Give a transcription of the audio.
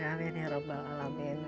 amin ya rabbal alamin